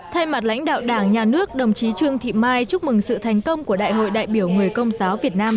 thay mặt lãnh đạo đảng nhà nước đồng chí trương thị mai chúc mừng sự thành công của đại hội đại biểu người công giáo việt nam